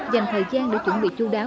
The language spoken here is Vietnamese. dành thời gian để chuẩn bị chú đáo